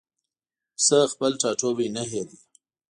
پسه خپل ټاټوبی نه هېروي.